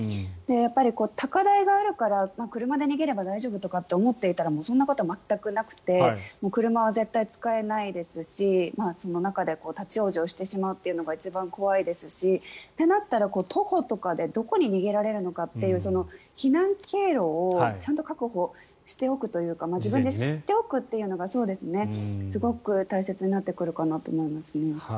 やっぱり高台があるから車で逃げれば大丈夫って思っていたらそんなこと全くなくて車は絶対使えないですしその中で立ち往生してしまうというのが一番怖いですしとなったら、徒歩とかでどこに逃げられるのかっていう避難経路をちゃんと確保しておくというか自分で知っておくというのがすごく大切になってくるかなと思いますね。